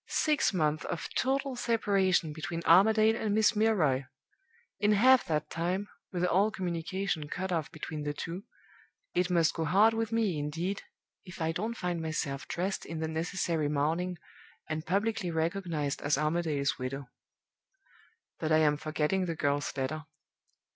Six months of total separation between Armadale and Miss Milroy! In half that time with all communication cut off between the two it must go hard with me, indeed, if I don't find myself dressed in the necessary mourning, and publicly recognized as Armadale's widow. "But I am forgetting the girl's letter.